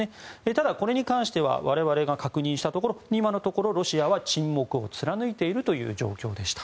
ただ、これに関しては我々が確認したところ今のところロシアは沈黙を貫いている状況でした。